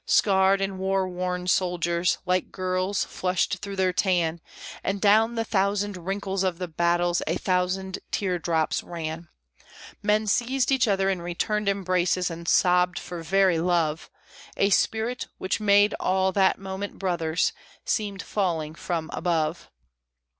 Scarred and war worn soldiers, like girls, flushed through their tan, And down the thousand wrinkles of the battles a thousand tear drops ran. Men seized each other in returned embraces, and sobbed for very love; A spirit, which made all that moment brothers, seemed falling from above.